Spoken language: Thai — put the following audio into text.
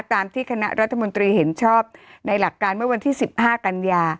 ตามที่คณะรัฐมนตรีเห็นชอบในหลักการเมื่อวันที่๑๕กันยา